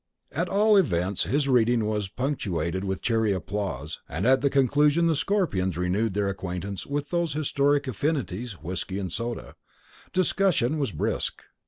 At all events his reading was punctuated with cheery applause, and at the conclusion the Scorpions renewed their acquaintance with those historic affinities whiskey and soda. Discussion was brisk.